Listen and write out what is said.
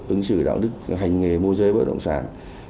ứng xử đạo đức hành nghề môi giới bất động sản